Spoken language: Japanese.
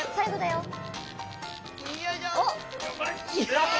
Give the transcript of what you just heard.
やった！